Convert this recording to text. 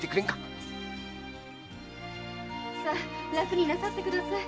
さあ楽になさってください。